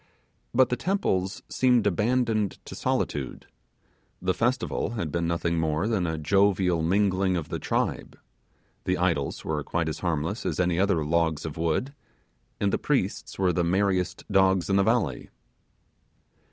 But the temples seemed to be abandoned to solitude; the festival had been nothing more than a jovial mingling of the tribe; the idols were quite harmless as any other logs of wood; and the priests were the merriest dogs in the valley.